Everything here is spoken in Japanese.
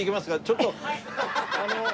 ちょっと。